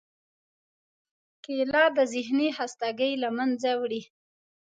کېله د ذهنی خستګۍ له منځه وړي.